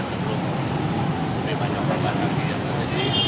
sebelum banyak perban lagi yang terjadi